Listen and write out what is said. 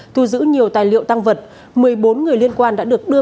thu giữ nhiều tài liệu tăng vật một mươi bốn người liên quan đã được đưa